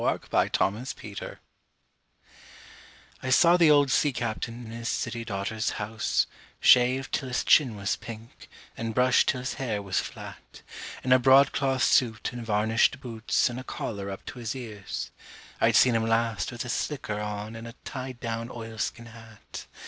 OLD BOATS I saw the old sea captain in his city daughter's house, Shaved till his chin was pink, and brushed till his hair was flat, In a broadcloth suit and varnished boots and a collar up to his ears. (I'd seen him last with a slicker on and a tied down oilskin hat.)